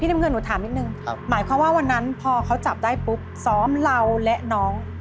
ที่ที่หน่อยถามนึงหมายความว่าวันนั้นพอเขาจับได้ปุ๊บซ้อมเราและน้อง